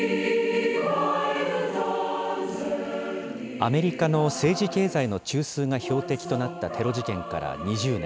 アメリカの政治経済の中枢が標的となったテロ事件から２０年。